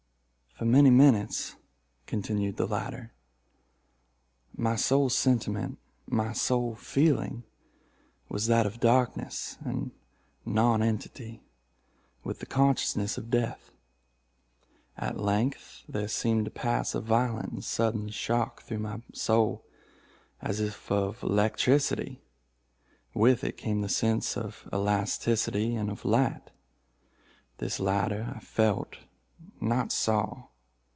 "For many minutes," continued the latter, "my sole sentiment—my sole feeling—was that of darkness and nonentity, with the consciousness of death. At length there seemed to pass a violent and sudden shock through my soul, as if of electricity. With it came the sense of elasticity and of light. This latter I felt—not saw.